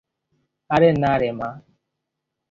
আরে না রে, মা।